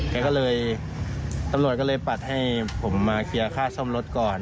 แกก็เลยตำรวจก็เลยปัดให้ผมมาเคลียร์ค่าซ่อมรถก่อน